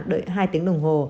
đợi hai tiếng đồng hồ